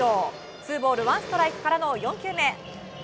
ツーボールワンストライクからの４球目。